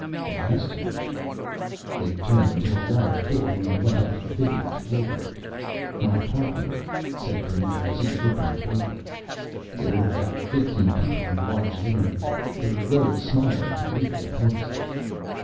"It has to." They turned into a large building and went up to the fiftieth floor. "My apartment," said Burnett as he opened the door. There were about fifteen people in the large living room. They rose, smiling, to greet their host.